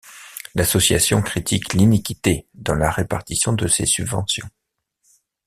L'association critique l'iniquité dans la répartition de ces subventions.